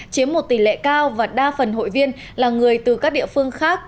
chiếm một tỷ lệ cao và đa phần hội viên là người từ các địa phương khác